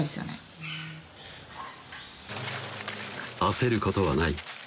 焦ることはない